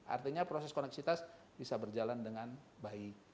artinya proses koneksitas bisa berjalan dengan baik